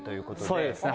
そうですねはい。